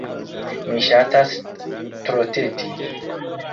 Mi ŝatas troteti.